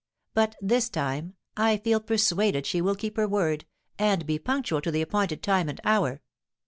But this time, I feel persuaded she will keep her word, and be punctual to the appointed time and hour."